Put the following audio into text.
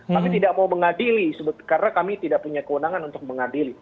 kami tidak mau mengadili karena kami tidak punya kewenangan untuk mengadili